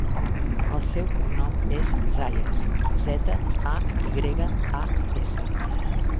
El seu cognom és Zayas: zeta, a, i grega, a, essa.